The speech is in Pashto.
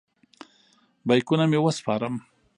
بیکونه مې وسپارم.